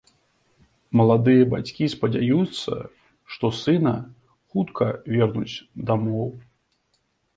Маладыя бацькі спадзяюцца, што сына хутка вернуць дамоў.